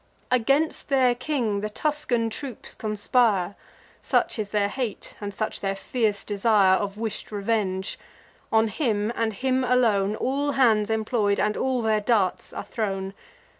Against their king the Tuscan troops conspire; Such is their hate, and such their fierce desire Of wish'd revenge: on him, and him alone, All hands employ'd, and all their darts are thrown.